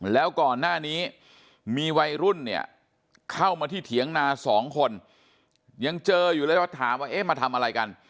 แล้วก่อนหน้านี้มีวัยรุ่นเนี่ยเข้ามาที่เถียงนาสองคนยังเจออยู่เลยก็ถามว่าเอ๊ะมาทำอะไรกัน